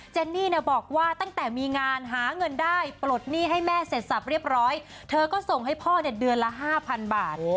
เนนี่บอกว่าตั้งแต่มีงานหาเงินได้ปลดหนี้ให้แม่เสร็จสับเรียบร้อยเธอก็ส่งให้พ่อเนี่ยเดือนละ๕๐๐บาท